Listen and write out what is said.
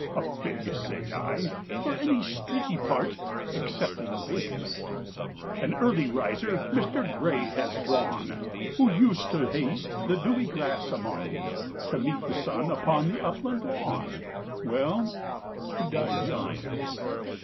A fig, say I, for any streaky part, Excepting bacon. An early riser Mr. Gray has drawn, Who used to haste the dewy grass among, "To meet the sun upon the upland lawn" Well he died young.